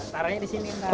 taranya di sini